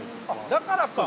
だからか！